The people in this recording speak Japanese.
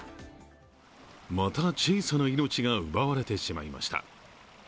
また、小さな命が奪われてしまいました。